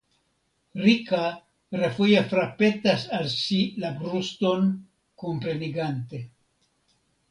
Rika refoje frapetas al si la bruston komprenigante.